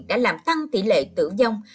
đã làm tăng tỷ lệ tử dông